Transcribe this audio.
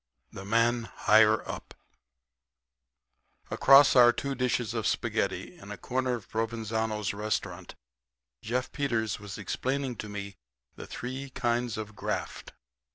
'" THE MAN HIGHER UP Across our two dishes of spaghetti, in a corner of Provenzano's restaurant, Jeff Peters was explaining to me the three kinds of graft.